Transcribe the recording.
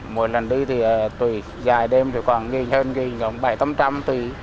mỗi lần đi thì tùy dài đêm thì khoảng nghìn hơn nghìn khoảng bảy tám trăm linh tùy